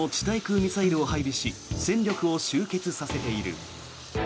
対空ミサイルを配備し戦力を集結させている。